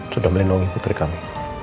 sudah melenungi putri kami